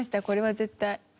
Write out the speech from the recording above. これは絶対。